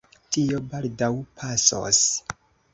Tio baldaŭ pasos.